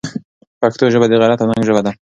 پښتو ژبه د غیرت او ننګ ژبه ده.